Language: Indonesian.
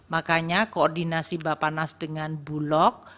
makanya koordinasi bapanas dengan bulog